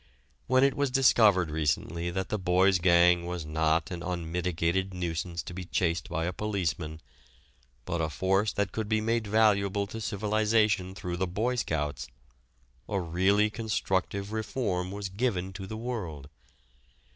When it was discovered recently that the boys' gang was not an unmitigated nuisance to be chased by a policeman, but a force that could be made valuable to civilization through the Boy Scouts, a really constructive reform was given to the world.